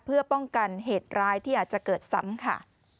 เพื่อป้องกันเหตุร้ายที่อาจจะเกิดซ้ำค่ะ